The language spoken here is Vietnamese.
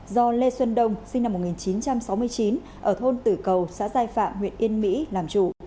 do lê xuân đông sinh năm một nghìn chín trăm sáu mươi chín ở thôn tử cầu xã giai phạm huyện yên mỹ làm chủ